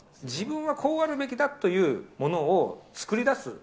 自分はこうあるべきだというものを作り出す。